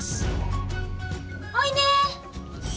おいで。